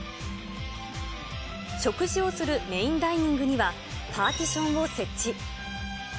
食事をするメインダイニングには、パーティションを設置。